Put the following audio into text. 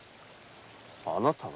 あなたが？